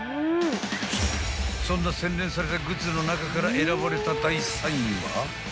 ［そんな洗練されたグッズの中から選ばれた］